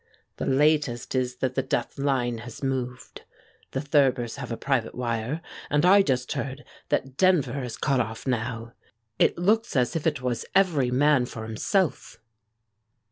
"The latest is that The Death Line has moved. The Thurbers have a private wire, and I just heard that Denver is cut off now! It looks as if it was every man for himself."